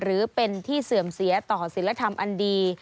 หรือเป็นที่เสื่อมเสียต่อศิลธรรมอันดี